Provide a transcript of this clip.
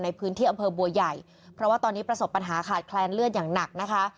ในพื้นที่อำเภอบัวใหญ่เพราะว่าตอนนี้ประสบปัญหาขาดแคลนเลือดอย่างหนักนะคะ